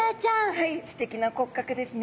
はいすてきな骨格ですね。